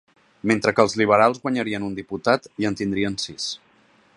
Mentre que els liberals guanyarien un diputat i en tindrien sis.